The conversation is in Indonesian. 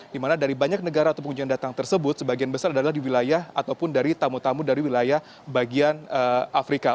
dimana dari banyak negara atau pengunjung yang datang tersebut sebagian besar adalah di wilayah ataupun dari tamu tamu dari wilayah bagian afrika